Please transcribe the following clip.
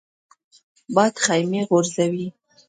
باد خیمې غورځوي